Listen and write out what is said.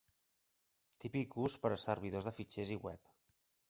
Típic ús per a servidors de fitxers i web.